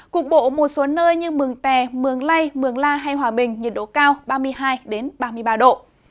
cục bộ một số nơi như mường tè mường lây mường la hay hòa bình nhiệt độ cao ba mươi hai ba mươi ba độ